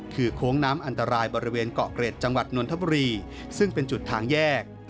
คือโค้งน้ำอันตรายบริเวณเกาะเกร็ดจังหวัดนทบุรีซึ่งเป็นจุดทางแยก